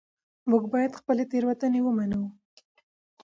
موږ باید خپلې تېروتنې ومنو